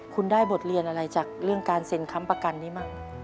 คุณได้บทเรียนอะไรจากเรื่องการเซ็นค้ำประกันนี้บ้าง